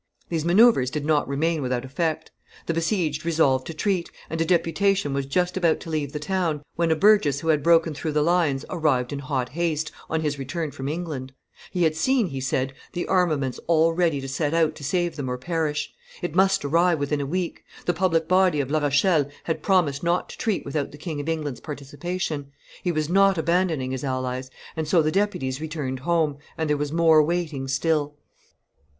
These manoeuvres did not remain without effect: the besieged resolved to treat, and a deputation was just about to leave the town, when a burgess who had broken through the lines arrived in hot haste, on his return from England; he had seen, he said, the armament all ready to set out to save them or perish; it must arrive within a week; the public body of La Rochelle had promised not to treat without the King of England's participation; he was not abandoning his allies; and so the deputies returned home, and there was more waiting still.